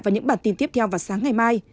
vào những bản tin tiếp theo vào sáng ngày mai